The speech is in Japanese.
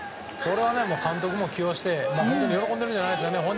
これは監督も起用して喜んでるんじゃないですかね。